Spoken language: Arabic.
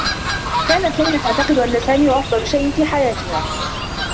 كانت ليلى تعتقد أنّ سامي هو أفضل شيء في حياتها.